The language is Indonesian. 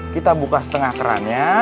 kita buka setengah kerannya